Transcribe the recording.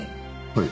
はい。